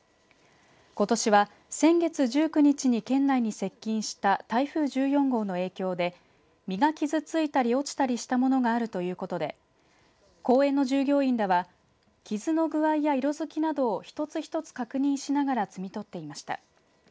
ことしは先月１９日に県内に接近した台風１４号の影響で実が傷ついたり落ちたりしたものがあるということで公園の従業員らは傷の具合や色づきなどを一つ一つ確認しながら摘み取っていました。